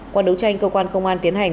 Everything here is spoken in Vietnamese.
qua đấu tranh cơ quan công an tiến hành